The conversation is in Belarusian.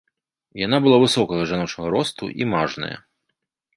Яна была высокага жаночага росту і мажная.